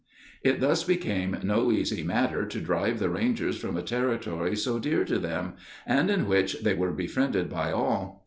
It thus became no easy matter to drive the Rangers from a territory so dear to them, and in which they were befriended by all.